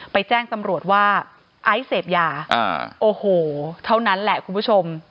แจ้งตำรวจว่าไอซ์เสพยาโอ้โหเท่านั้นแหละคุณผู้ชม